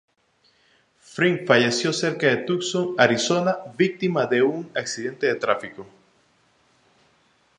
Frink falleció cerca de Tucson, Arizona, víctima de un accidente de tráfico.